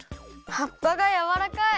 はっぱがやわらかい！